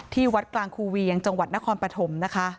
ที่วัดกลางคูเวียงจังหวัดนครปฐมนะคะ